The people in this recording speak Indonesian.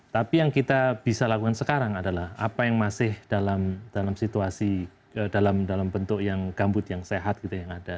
tapi yang kita bisa lakukan sekarang adalah apa yang masih dalam situasi dalam bentuk yang gambut yang sehat gitu yang ada